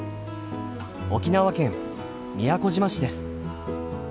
沖縄県宮古島市です。